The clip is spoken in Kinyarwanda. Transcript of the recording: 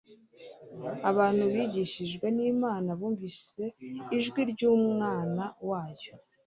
Abantu bigishijwe n'Imana bumvise ijwi ry'Umwana wayo